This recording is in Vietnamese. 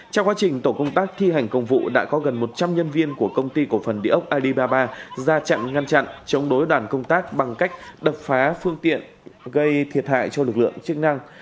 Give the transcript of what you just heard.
trong quá trình tổ công tác thi hành công vụ đã có gần một trăm linh nhân viên của công ty cổ phần địa ốc alibaba ra chặn ngăn chặn chống đối đoàn công tác bằng cách đập phá phương tiện gây thiệt hại cho lực lượng chức năng